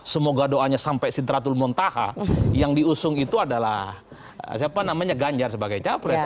semoga doanya sampai sitratul montaha yang diusung itu adalah siapa namanya ganjar sebagai capres